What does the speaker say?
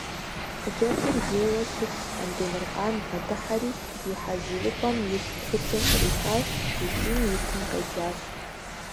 Хъыджэбзыр жейуэ щылъ Андемыркъан бгъэдыхьэри и хьэзырыпӀэм илъ тхылъыр кърихащ икӀи итым къеджащ.